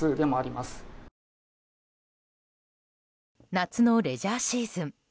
夏のレジャーシーズン。